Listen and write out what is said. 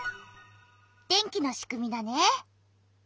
電気のしくみだね。